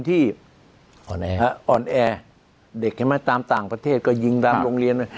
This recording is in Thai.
ทำไมต้องยิงตรงนี้